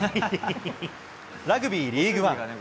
ラグビーリーグワン。